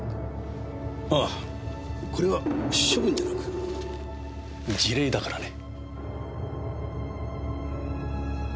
あぁこれは処分じゃなく辞令だからね。